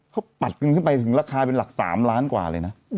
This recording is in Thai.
เขาปัดกันขึ้นไปถึงราคาเป็นหลัก๓ล้านกว่าเลยนะ